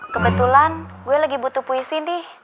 kebetulan gue lagi butuh puisi nih